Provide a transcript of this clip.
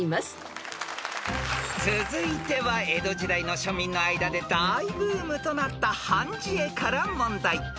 ［続いては江戸時代の庶民の間で大ブームとなった判じ絵から問題］